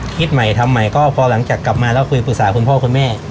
คิดใหม่ทำใหม่ก็พอหลังจากกลับมาแล้วคุยปรึกษาคุณพ่อคุณแม่